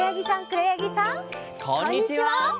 こんにちは！